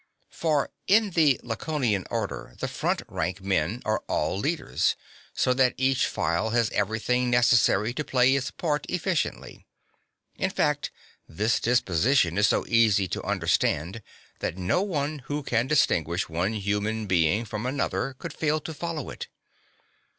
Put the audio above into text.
For in the Laconian order the front rank men are all leaders, (11) so that each file has everything necessary to play its part efficiently. In fact, this disposition is so easy to understand that no one who can distinguish one human being from another could fail to follow it.